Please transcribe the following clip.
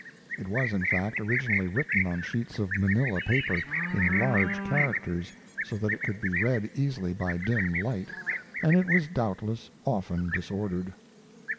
It was, in fact, originally written on sheets of manila paper, in large characters, so that it could be read easily by dim light, and it was doubtless often disordered.